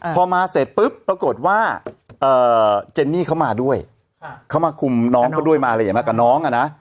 พอมาเสร็จปุ๊บปรากฏว่าเจนนี่เขามาด้วยเขามาคุมน้องเขาด้วยมาอะไรอย่างมากับน้องอ่ะนะ